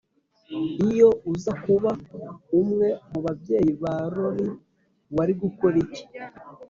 Iyo uza kuba umwe mu babyeyi ba Lori wari gukora iki